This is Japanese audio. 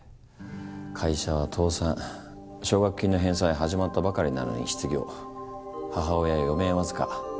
会社は倒産奨学金の返済始まったばかりなのに失業母親は余命僅か。